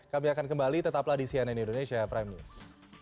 kami akan kembali tetaplah di cnn indonesia prime news